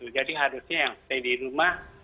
jadi harusnya yang stay di rumah